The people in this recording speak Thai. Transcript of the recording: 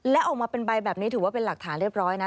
และออกมาเป็นใบแบบนี้ถือว่าเป็นหลักฐานเรียบร้อยนะ